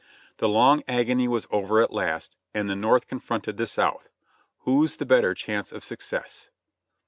The long agony was over at last and the North confronted the South, Whose the better chance of success?